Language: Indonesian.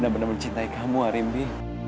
benar benar mencintai kamu harimbi